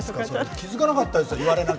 気付かなかったですよ